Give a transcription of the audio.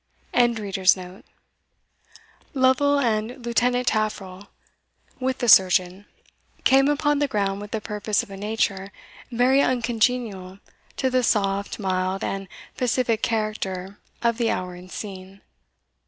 ] [Illustration: St. Ruth (arbroath Abbey)] Lovel and Lieutenant Taffril, with the surgeon, came upon the ground with a purpose of a nature very uncongenial to the soft, mild, and pacific character of the hour and scene.